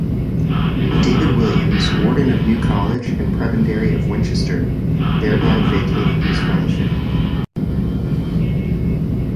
David Williams, warden of New College and prebendary of Winchester, thereby vacating his fellowship.